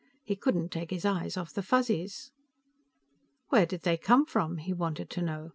He couldn't take his eyes off the Fuzzies. "Where did they come from?" he wanted to know.